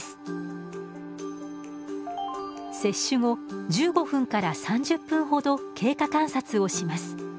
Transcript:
接種後１５分から３０分ほど経過観察をします。